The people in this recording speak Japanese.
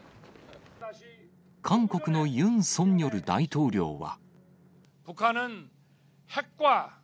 韓国のユン・ソンニョル大統領は。